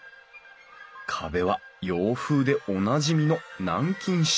壁は洋風でおなじみの南京下